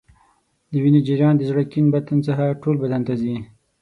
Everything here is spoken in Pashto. د وینې جریان د زړه کیڼ بطن څخه ټول بدن ته ځي.